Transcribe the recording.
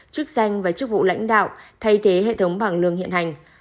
chức danh và chức vụ lãnh đạo thay thế hệ thống bảng lương hiện hành